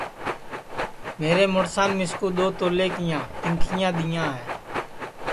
میرے مُُڑسان مِسکُو دؔو تولیے کیاں تینٚکھیا دؔیاں ہے